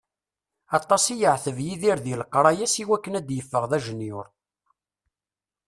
Aṭas i yeεteb Yidir di leqraya-s iwakken ad d-iffeɣ d ajenyur.